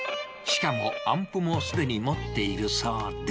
しかも、アンプもすでに持っているそうで。